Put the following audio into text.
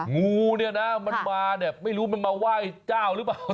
งูเนี่ยนะมันมาเนี่ยไม่รู้มันมาไหว้เจ้าหรือเปล่า